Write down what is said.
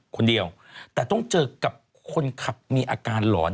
คนเดียวแต่ต้องเจอกับคนขับมีอาการหลอน